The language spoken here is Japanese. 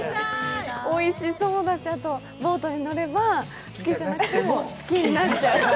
おいしそうだし、あとボートに乗れば好きじゃなくても好きになっちゃう。